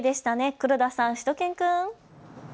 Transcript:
黒田さん、しゅと犬くん。